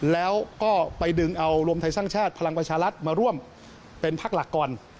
แล้วก็ไปดึงเอารวมไทยสร้างชาติพลังประชารัฐมาร่วมเป็นพักหลักก่อน